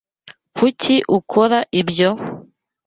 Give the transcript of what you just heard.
Kuki ukora ibyo?